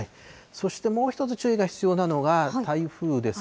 そしてもう１つ注意が必要なのが、台風です。